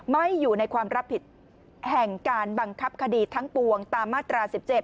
ไม่อยู่ในความรับผิดแห่งการบังคับคดีทั้งปวงตามมาตรา๑๗